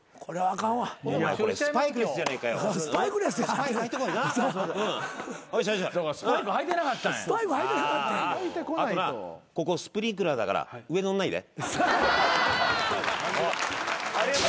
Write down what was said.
あとなここスプリンクラーだから上乗んないで。